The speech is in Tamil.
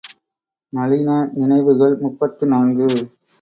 நளின நினைவுகள் முப்பத்து நான்கு.